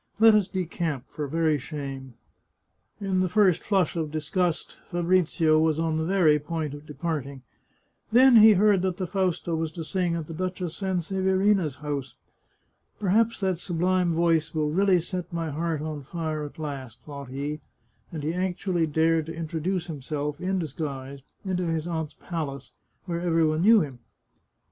Let us decamp, for very shame." In the first flush of disgust, Fabrizio was on the very point of departing. Then he heard that the Fausta was to sing at the Duchess Sanseverina's house. " Perhaps that sublime voice will really set my heart on fire at last," thought he, and he actually dared to introduce himself, in disguise, into his aunt's palace, where every one knew him.